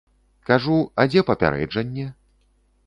Кажу, а дзе папярэджанне?